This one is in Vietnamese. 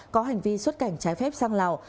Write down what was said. có hành vi xuất cảnh trái phép sang lào